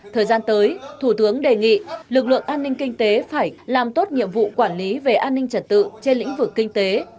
thời gian tới thủ tướng đề nghị lực lượng an ninh kinh tế phải làm tốt nhiệm vụ quản lý về an ninh trật tự trên lĩnh vực kinh tế